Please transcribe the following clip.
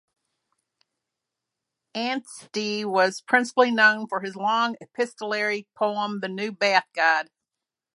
Anstey was principally known for his long epistolary poem, "The New Bath Guide".